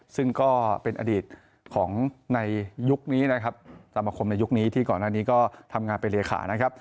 ซึ่งก็เป็นอดีตในยุคนี้สมคมในยุคนี้ที่ก่อนหน้านี้ทำงานเป็นเลขา